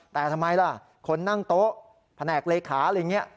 แต่ทำไมล่ะคนนั่งโต๊ะแผนกเลขาอะไรอย่างนี้